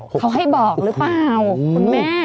เขาให้บอกหรือเปล่าคุณแม่